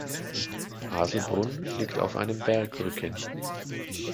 Haselbrunn liegt auf einem Bergrücken.